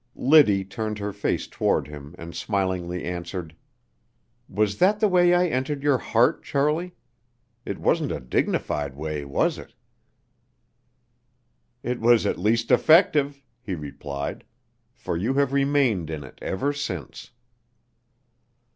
Liddy turned her face toward him and smilingly answered: "Was that the way I entered your heart, Charlie? It wasn't a dignified way, was it?" "It was at least effective," he replied, "for you have remained in it ever since."